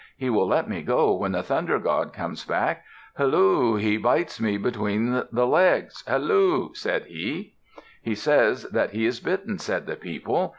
"He will let me go when the Thunder God comes back. Halloo! He bites me between the legs. Halloo!" said he. "He says that he is bitten," said the people.